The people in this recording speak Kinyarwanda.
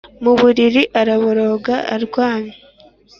mu buriri araboroga aryamye,